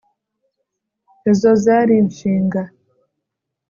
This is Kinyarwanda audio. izo zari inshinga